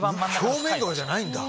表面とかじゃないんだ。